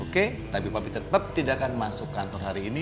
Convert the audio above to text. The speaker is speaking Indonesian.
oke tapi tetap tidak akan masuk kantor hari ini